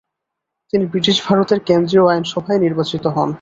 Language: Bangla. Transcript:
তিনি ব্রিটিশ ভারতের কেন্দ্রীয় আইনসভায় নির্বাচিত হন।